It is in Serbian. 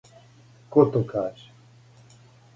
Ко то каже!